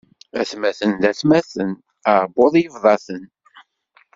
Atmaten d atmaten, aɛubbuḍ yebḍa-ten.